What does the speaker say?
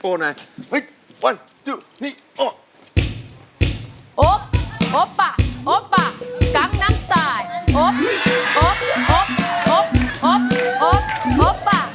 โอ๊ปโอ๊ปโอ๊ปโอ๊ปโอ๊ปโอ๊ปโอ๊ปโอ๊ปโอ๊ป